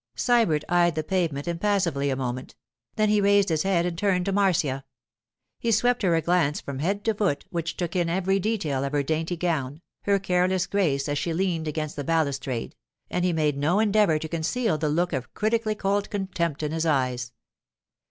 Sybert eyed the pavement impassively a moment: then he raised his head and turned to Marcia. He swept her a glance from head to foot which took in every detail of her dainty gown, her careless grace as she leaned against the balustrade, and he made no endeavour to conceal the look of critically cold contempt in his eyes.